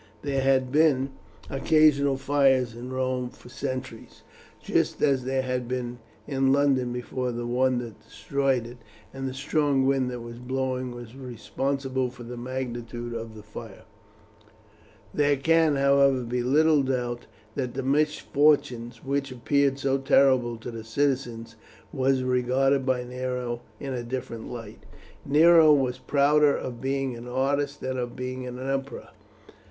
There had been occasional fires in Rome for centuries, just as there had been in London before the one that destroyed it, and the strong wind that was blowing was responsible for the magnitude of the fire. There can, however, be little doubt that the misfortune which appeared so terrible to the citizens was regarded by Nero in a different light. Nero was prouder of being an artist than of being an emperor.